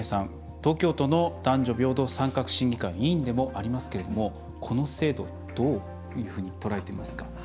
東京都の男女平等参画審議会委員でもありますけれどもこの制度、どういうふうにとらえていますか？